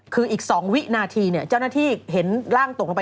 คืออีก๒วินาทีเจ้าหน้าที่เห็นร่างตกลงไป